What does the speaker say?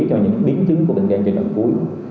cho những biến chứng của bệnh viện di đồng cuối